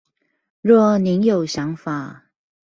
若您有想法